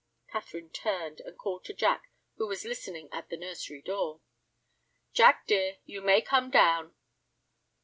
Catherine turned, and called to Jack, who was listening at the nursery door. "Jack, dear, you may come down."